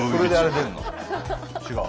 違う？